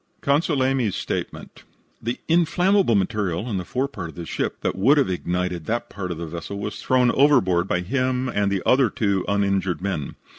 CONSUL AYME'S STATEMENT The inflammable material in the forepart of the ship that would have ignited that part of the vessel was thrown overboard by him and the other two uninjured men.